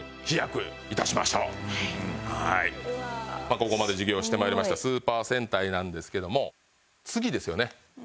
ここまで授業して参りましたスーパー戦隊なんですけども次ですよね。